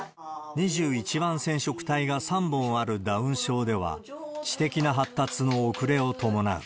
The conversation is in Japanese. ２１番染色体が３本あるダウン症では、知的な発達の遅れを伴う。